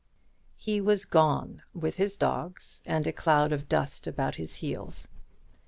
He was gone, with his dogs and a cloud of dust about his heels.